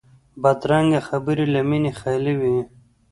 بدرنګه خبرې له مینې خالي وي